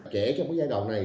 trẻ trong giai đoạn này